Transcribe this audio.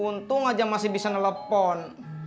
untung aja masih bisa nelpon